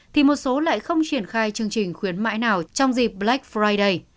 thì một số lại không triển khai chương trình khuyến mãi nào trong dịp black friday